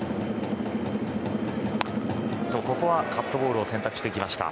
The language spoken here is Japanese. カットボールを選択してきた。